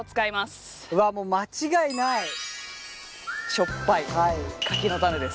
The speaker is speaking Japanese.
しょっぱい柿の種です。